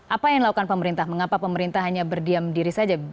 apa yang dilakukan pemerintah mengapa pemerintah hanya berdiam diri saja